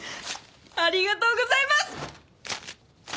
ありがとうございます！